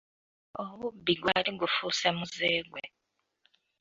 Obubbi gwali gufuuse muze gwe.